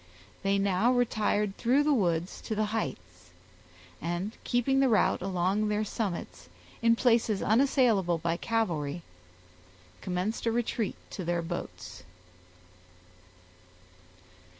They now retired through the woods to the heights, and, keeping the route along their summits, in places unassailable by cavalry, commenced a retreat to their boats.